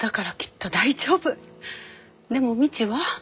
でも未知は？